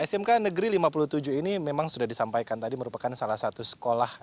smk negeri lima puluh tujuh ini memang sudah disampaikan tadi merupakan salah satu sekolah